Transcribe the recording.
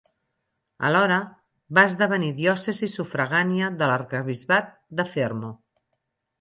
Alhora, va esdevenir diòcesi sufragània de l'arquebisbat de Fermo.